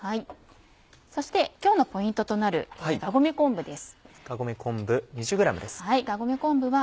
そして今日のポイントとなるがごめ昆布です。